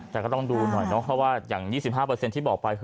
แต่ก็ต้องดูหน่อยเนาะเพราะว่าอย่าง๒๕ที่บอกไปคือ